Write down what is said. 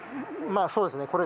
まあそうですね。